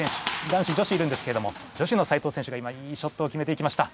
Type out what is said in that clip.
男子女子いるんですけれども女子の齋藤選手が今いいショットを決めていきました。